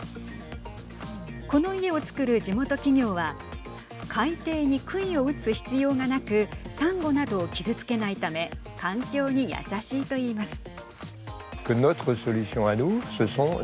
この家を造る地元企業は海底にくいを打つ必要がなくサンゴなどを傷つけないため環境に優しいといいます。